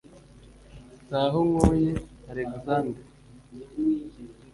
Sahunkuye Alexandre